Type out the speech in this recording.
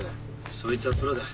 そいつはプロだ。